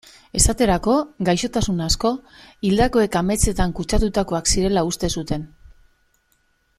Esaterako, gaixotasun asko hildakoek ametsetan kutsatutakoak zirela uste zuten.